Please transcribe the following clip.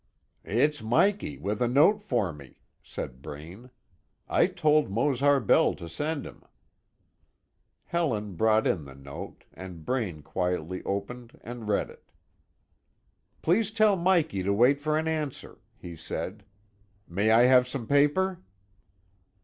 "It's Mikey, with a note for me," said Braine; "I told Mose Harbell to send him." Helen brought in the note, and Braine quietly opened and read it. "Please tell Mikey to wait for an answer," he said. "May I have some paper?"